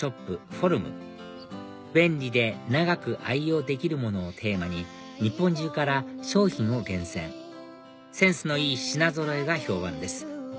ｆｏｒｕｍ便利で長く愛用できるものをテーマに日本中から商品を厳選センスのいい品ぞろえが評判です